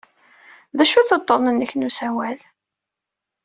D acu-t wuḍḍun-nnek n usawal?